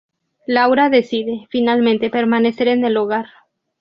Laura decide, finalmente, permanecer en el hogar.